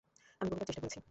আমি বহুবার চেষ্টা করেছি।